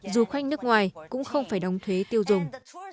du khách nước ngoài cũng không phải đóng thuế tiêu dùng